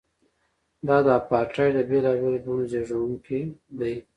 دا د اپارټایډ د بېلابېلو بڼو زیږوونکی دی.